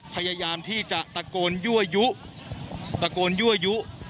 พยายามที่จะตะโกนยั่วยุ